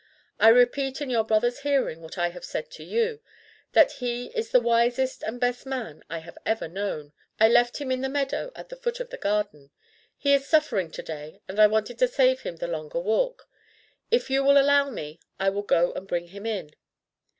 I repeat in your brother's hearing what I have said to you, that he is the wisest and best man I have ever known. I left him in the meadow at the foot of the garden. He is suffering to day, and I wanted to save him the longer walk. If you will allow me, I will go and bring him in."